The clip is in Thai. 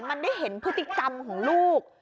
มันได้เห็นพฤติกรรมของลูก